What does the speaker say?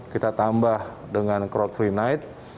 kita tambah dengan crowd free night